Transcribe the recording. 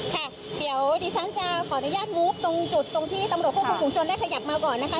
ค่ะเดี๋ยวดิฉันจะขออนุญาตวูบตรงจุดตรงที่ตำรวจควบคุมฝุงชนได้ขยับมาก่อนนะคะ